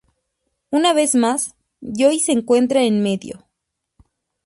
Una vez más Joey se encuentra en medio.